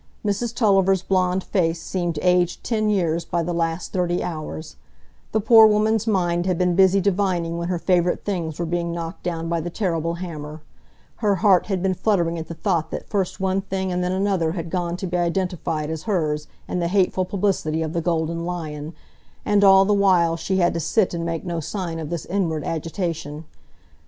Mrs Tulliver's blond face seemed aged ten years by the last thirty hours; the poor woman's mind had been busy divining when her favourite things were being knocked down by the terrible hammer; her heart had been fluttering at the thought that first one thing and then another had gone to be identified as hers in the hateful publicity of the Golden Lion; and all the while she had to sit and make no sign of this inward agitation.